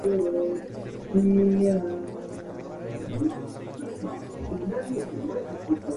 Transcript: En la esquina superior derecha dice "Dirty" en horizontal y "Work" en vertical.